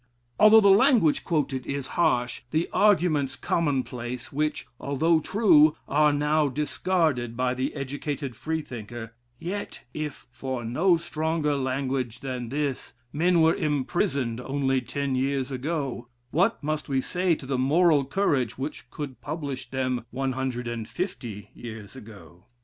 Although the language quoted is harsh, the arguments common place, which, although true, are now discarded by the educated Freethinker; yet if for no stronger language than this men were imprisoned only ten years ago, what must we say to the moral courage which could publish them 150 years ago?